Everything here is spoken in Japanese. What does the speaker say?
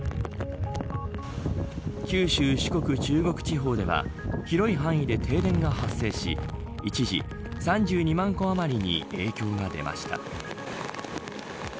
九州、四国、中国地方では広い範囲で停電が発生し一時、３２万戸あまりに影響が出ました。